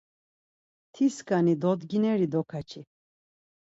Tiskani dodgineri dokaçi.